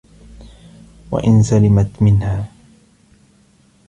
وَإِنْ سَلِمَتْ مِنْهَا